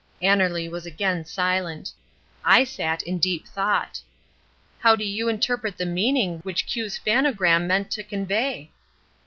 '" Annerly was again silent. I sat in deep thought. "How do you interpret the meaning which Q's phanogram meant to convey?"